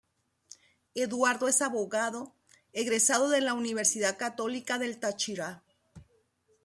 Eduardo es abogado, egresado de la Universidad Católica del Táchira.